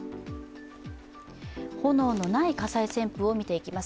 炎のない火災旋風を見ていきます。